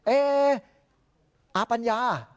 เอออาปัญญา